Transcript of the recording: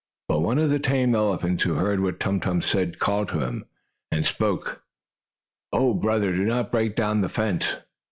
But one of the tame elephants, who heard what Tum Tum said, called to him, and spoke: "Oh, brother. Do not break down the fence."